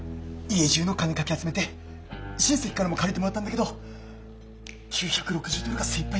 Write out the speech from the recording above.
家じゅうの金かき集めて親戚からも借りてもらったんだけど９６０ドルが精いっぱいで。